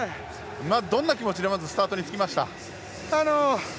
どんな気持ちでスタートに着きました？